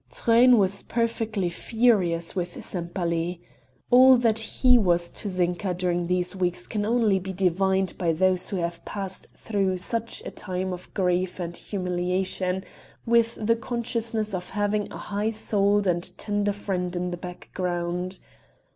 Truyn was perfectly furious with Sempaly. All that he was to Zinka during these weeks can only be divined by those who have passed through such a time of grief and humiliation, with the consciousness of having a high souled and tender friend in the back ground.